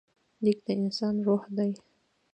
لیک د انسان روح دی.